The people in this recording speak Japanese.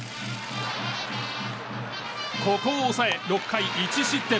ここを抑え、６回１失点。